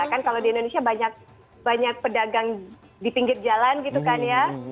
kan kalau di indonesia banyak pedagang di pinggir jalan gitu kan ya